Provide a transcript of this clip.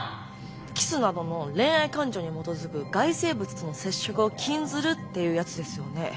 キスなどの恋愛感情に基づく外生物との接触を禁ずるっていうやつですよね。